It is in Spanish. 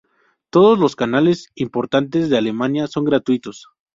Todos los canales importantes de Alemania son gratuitos.